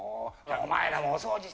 お前らもお掃除して。